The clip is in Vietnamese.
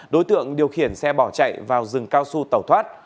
đối tượng điều khiển xe bỏ chạy vào rừng cao su tẩu thoát